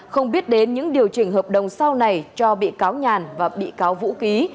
không biết đến những điều chỉnh hợp đồng sau này cho bị cáo nhàn và bị cáo vũ ký